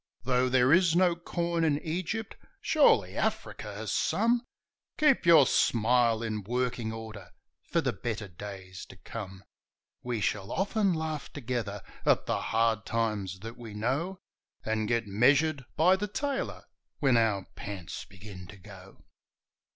Though there is no corn in Egypt, surely Africa has some Keep your smile in working order for the better days to come ! We shall often laugh together at the hard times that we know, And get measured by the tailor when our pants begin to go.